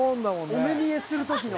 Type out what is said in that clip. お目見えする時の。